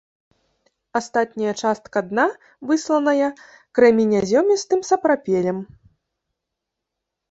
Астатняя частка дна высланая крэменязёмістым сапрапелем.